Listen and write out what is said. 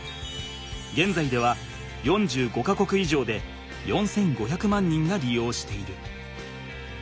げんざいでは４５か国以上で４，５００万人が利用している。